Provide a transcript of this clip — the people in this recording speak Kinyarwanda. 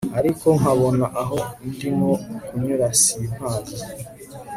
ariko nkabona aho ndimo kunyura simpazi